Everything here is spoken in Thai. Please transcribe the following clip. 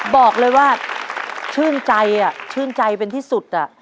บอกเลยว่าชื่นใจชื่นใจเป็นที่สุด